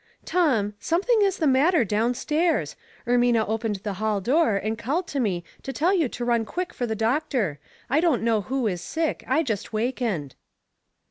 " Tom, something is the matter down stairs. Ermina opened the hall door, and called to me to tell you to run quick for the doctor. I don't know who is sick ; I jast wakened."